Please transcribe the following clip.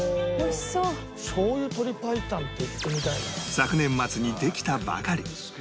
昨年末にできたばかり